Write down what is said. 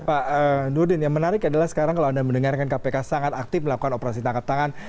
pak nurdin yang menarik adalah sekarang kalau anda mendengarkan kpk sangat aktif melakukan operasi tangkap tangan